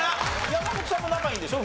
山本さんも仲いいんでしょ？